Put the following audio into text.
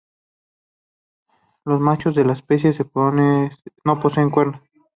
Los machos de la especie no poseen cuernos.